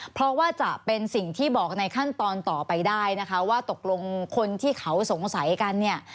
เพราะว่าจะเป็นสิ่งที่บอกในขั้นตอนต่อไปได้นะคะว่าตกลงคนที่เขาสงสัยกันเนี่ย